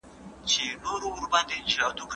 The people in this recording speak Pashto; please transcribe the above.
لمر ته په مستقیمه توګه مه ګورئ.